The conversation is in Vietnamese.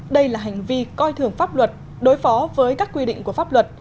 đây là hành vi coi thường pháp luật đối phó với các quy định của pháp luật